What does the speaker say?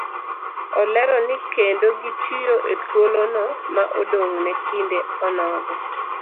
Olero ni kendo gitiyo ethuolono ma odong' ne kinde onogo